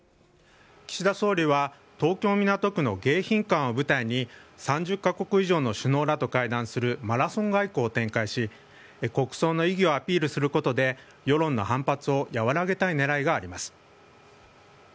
岸田総理は東京・港区の迎賓館を舞台に、３０か国以上の首脳らと会談するマラソン外交を展開し、国葬の意義をアピールすることで、世論の反発を和らげたいねらいがあります。